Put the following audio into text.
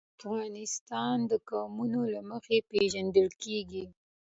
افغانستان د قومونه له مخې پېژندل کېږي.